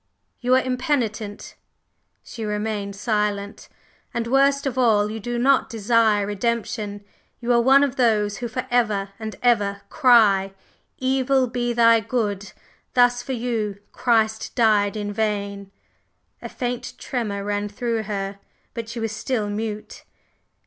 "You are impenitent?" She remained silent. "And, worst of all, you do not desire redemption! You are one of those who forever and ever cry, 'Evil, be thou my good!' Thus for you, Christ died in vain!" A faint tremor ran through her, but she was still mute.